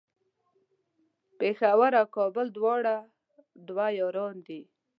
پیښور او کابل دواړه دوه یاران دی